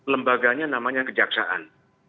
lembaganya namanya kejaksaan